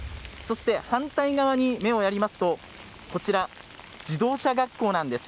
反対側に目をやりますとこちら、自動車学校なんです。